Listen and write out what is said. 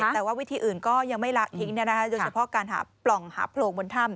แต่ว่าวิธีอื่นก็ยังไม่ละทิ้งโดยเฉพาะการหาปล่องหาโพรงบนถ้ำ